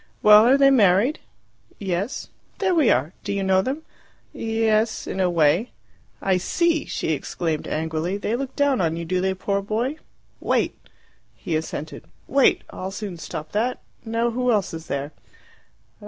"Well, are they married?" "Yes." "There we are. Do you know them?" "Yes in a way." "I see," she exclaimed angrily. "They look down on you, do they, poor boy? Wait!" He assented. "Wait! I'll soon stop that. Now, who else is there?"